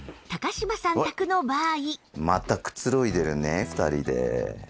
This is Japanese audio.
柴さん宅の場合